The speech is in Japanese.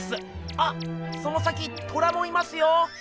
あその先トラもいますよ。